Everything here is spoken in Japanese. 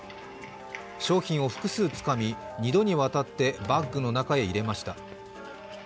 商品を複数つかみ、２度にわたってバッグの中へ入れました。